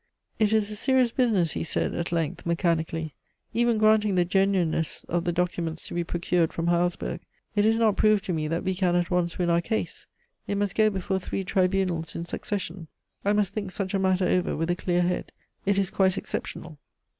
"It is a serious business," he said at length, mechanically. "Even granting the genuineness of the documents to be procured from Heilsberg, it is not proved to me that we can at once win our case. It must go before three tribunals in succession. I must think such a matter over with a clear head; it is quite exceptional."